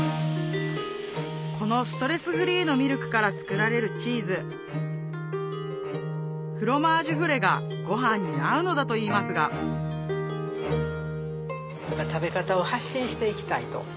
このストレスフリーのミルクから作られるチーズフロマージュ・フレがご飯に合うのだと言いますが食べ方を発信していきたいと。